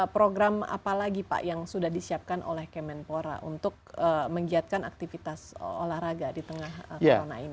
program apa lagi pak yang sudah disiapkan oleh kemenpora untuk menggiatkan aktivitas olahraga di tengah corona ini